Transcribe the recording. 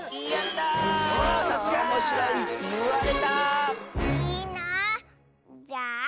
いいなあ。